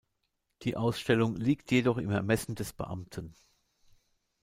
Die Ausstellung liegt jedoch im Ermessen des Beamten.